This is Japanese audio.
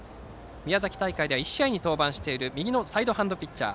宮崎大会では１試合に登板してる右のサイドハンドピッチャー。